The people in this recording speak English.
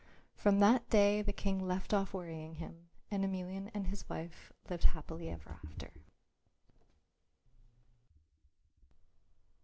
From that day the King left off worrying him and Emelian and his wife lived happily ever after.